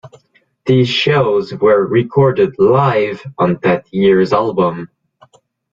These shows were recorded "live" on that year's album.